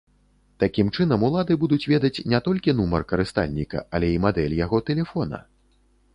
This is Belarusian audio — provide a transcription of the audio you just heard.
Такім чынам улады будуць ведаць не толькі нумар карыстальніка, але і мадэль яго тэлефона.